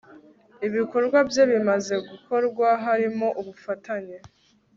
ibikorwa bye bimaze gukorwa, harimo ubufatanye